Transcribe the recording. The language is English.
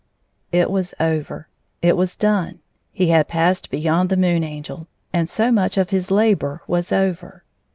« It was over. It was done. He had passed beyond the Moon Angel, and so much of his labor was over.